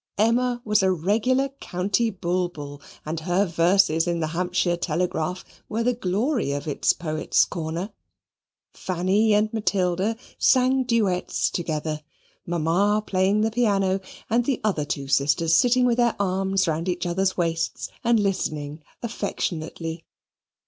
Emma was a regular County Bulbul, and her verses in the Hampshire Telegraph were the glory of its Poet's Corner. Fanny and Matilda sang duets together, Mamma playing the piano, and the other two sisters sitting with their arms round each other's waists and listening affectionately.